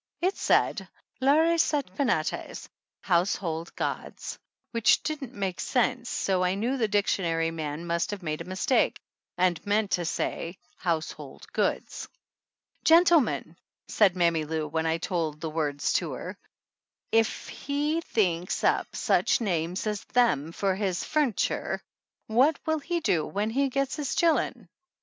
It said: "Lares et Penates, household gods," which didn't make sense, so I knew the dictionary man must have made a mistake and meant to say household goods. "Gentle men!" said Mammy Lou when I told the words to her, "if he thinks up such names as them for his fu'niture what mil he do when he gets to his chil'en